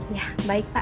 ya baik pak